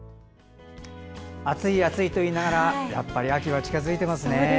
暑い暑いと言いながらやっぱり秋は近づいていますね。